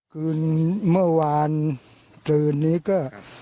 คืนเมื่อวานตื่นนี้ก็